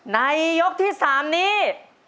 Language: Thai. ในยกที่๓นี้